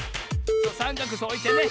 さんかくそうおいてね。